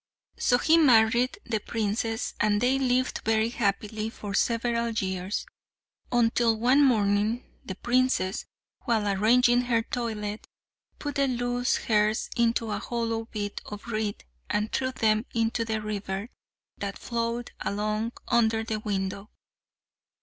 So he married the princess, and they lived very happily for several years, until one morning the princess, while arranging her toilet, put the loose hairs into a hollow bit of reed and threw them into the river that flowed along under the window.